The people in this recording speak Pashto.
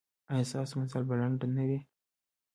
ایا ستاسو مزل به لنډ نه وي؟